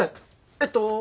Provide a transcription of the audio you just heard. えっと。